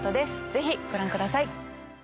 ぜひご覧ください